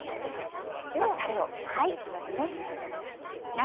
ではタレを作って行きますね。